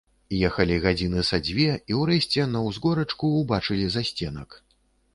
Ехалі гадзіны са дзве, і ўрэшце на ўзгорачку ўбачылі засценак.